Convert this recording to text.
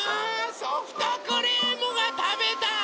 ソフトクリームがたべたい！